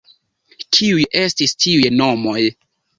Kiuj estis tiuj nomoj?